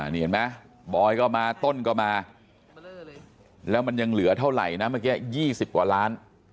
นี่เห็นไหมบอยก็มาต้นก็มาแล้วมันยังเหลือเท่าไหร่นะเมื่อกี้๒๐กว่าล้าน